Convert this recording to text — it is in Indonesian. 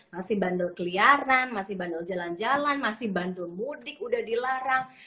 masih bandel keliaran masih bandel jalan jalan masih bandel mudik udah dilarang